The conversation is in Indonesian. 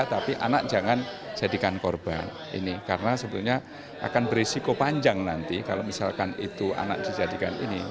tapi anak jangan jadikan korban ini karena sebetulnya akan berisiko panjang nanti kalau misalkan itu anak dijadikan ini